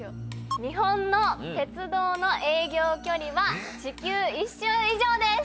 日本の鉄道の営業距離は地球１周以上です！